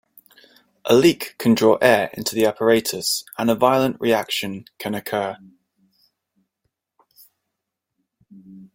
A leak can draw air into the apparatus and a violent reaction can occur.